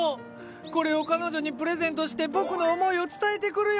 これを彼女にプレゼントして僕の思いを伝えてくるよ！